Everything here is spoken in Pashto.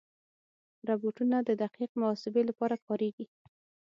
روبوټونه د دقیق محاسبې لپاره کارېږي.